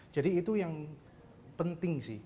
jadi itu yang penting sih